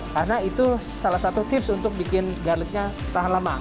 karena itu salah satu tips untuk bikin garlic nya tahan lama